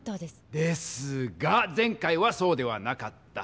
ですが前回はそうではなかった。